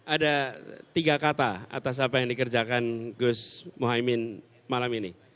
ada tiga kata atas apa yang dikerjakan gus muhaymin malam ini